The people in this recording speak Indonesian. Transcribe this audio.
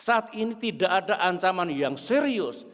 saat ini tidak ada ancaman yang serius